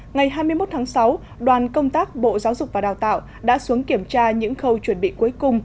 ngày hai mươi một tháng sáu đoàn công tác bộ giáo dục và đào tạo đã xuống kiểm tra những khâu chuẩn bị cuối cùng